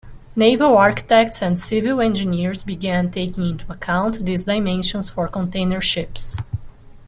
Naval architects and civil engineers began taking into account these dimensions for container ships.